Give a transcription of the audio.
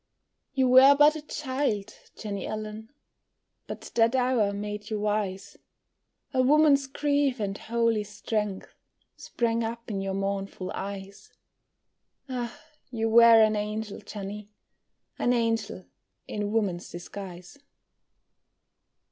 You were but a child, Jenny Allen, But that hour made you wise; A woman's grief and holy strength Sprang up in your mournful eyes; Ah, you were an angel, Jenny, An angel in woman's guise.